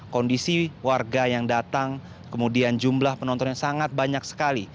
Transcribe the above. kondisi warga yang datang kemudian jumlah penonton yang sangat banyak sekali